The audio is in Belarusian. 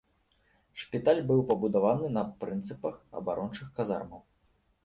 Шпіталь быў пабудаваны на прынцыпах абарончых казармаў.